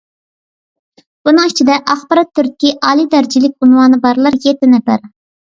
بۇنىڭ ئىچىدە، ئاخبارات تۈرىدىكى ئالىي دەرىجىلىك ئۇنۋانى بارلار يەتتە نەپەر.